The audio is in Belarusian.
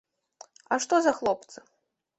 А што за хлопцы?